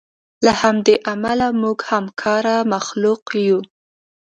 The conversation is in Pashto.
له همدې امله موږ همکاره مخلوق یو.